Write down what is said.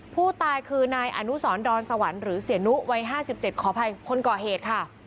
ผู้ตายคือนายอนุสรดอนสวรรค์หรือเสียนุวัย๕๗ขออภัยคนก่อเหตุค่ะ